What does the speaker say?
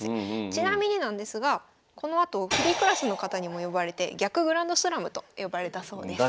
ちなみになんですがこのあとフリークラスの方にも敗れて逆グランドスラムと呼ばれたそうです。